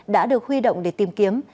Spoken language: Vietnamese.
đã được huy động để tìm kiếm